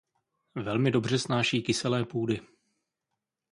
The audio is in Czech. Velmi dobře snáší kyselé půdy.